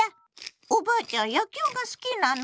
「おばあちゃん野球が好きなの？」